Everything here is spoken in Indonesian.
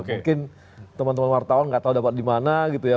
mungkin teman teman wartawan nggak tahu dapat di mana